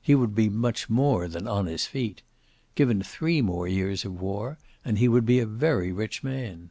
He would be much more than on his feet. Given three more years of war, and he would be a very rich man.